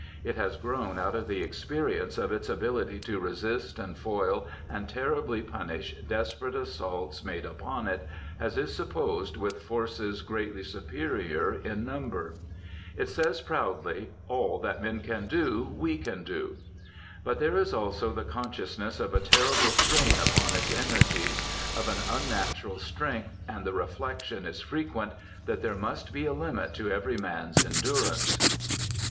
It has grown out of the experience of its ability to resist and foil and terribly punish desperate assaults made upon it, as is supposed with forces greatly superior in number. It says, proudly, "All that men can do, we can do." But there is also the consciousness of a terrible strain upon its energies, of an unnatural strength, and the reflection is frequent that there must be a limit to every man's endurance.